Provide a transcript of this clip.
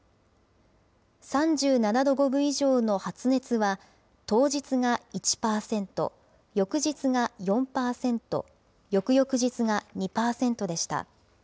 ３７度５分以上の発熱は、当日が１％、翌日が４％、翌々日が２％でした。